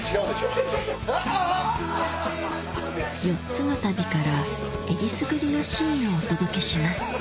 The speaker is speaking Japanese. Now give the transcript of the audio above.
４つの旅からえりすぐりのシーンをお届けします